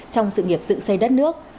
trong sự nghiệp dự xây đất nước